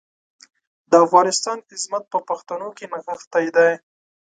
د افغانستان عظمت په پښتنو کې نغښتی دی.